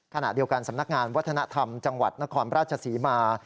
ขณะเดียวกันสำนักงานวัฒนธรรมจังหวัดนครราชศรีมา